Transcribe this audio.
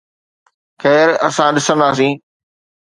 خير، اسان ڏسنداسين